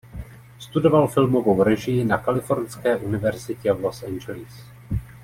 Studoval filmovou režii na Kalifornské univerzitě v Los Angeles.